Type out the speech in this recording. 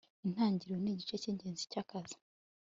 intangiriro nigice cyingenzi cyakazi